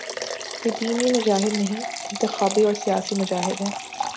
یہ دینی مجاہد نہیں، انتخابی اور سیاسی مجاہد ہیں۔